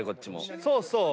そうそう。